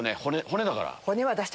骨だから。